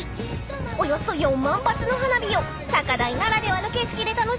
［およそ４万発の花火を高台ならではの景色で楽しめます］